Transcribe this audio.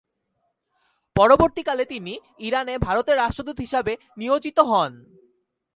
পরবর্তীকালে তিনি ইরানে ভারতের রাষ্ট্রদূত হিসেবে নিয়োজিত হন।